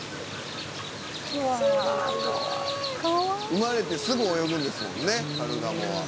生まれてすぐ泳ぐんですもんねカルガモは。